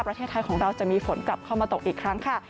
ประเทศไทยของเราจะมีฝนกลับเข้ามาตกอีกครั้งค่ะ